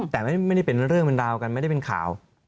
แต่ไม่ได้เป็นเรื่องเป็นราวกันไม่ได้เป็นข่าว